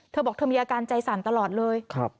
เธอบอกเธอมีอาการใจสั่นตลอดเลย